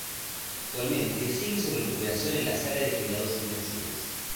Actualmente sigue su recuperación en la Sala de Cuidados Intensivos.